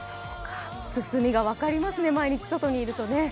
進みが分かりますね、毎日、外にいるとね。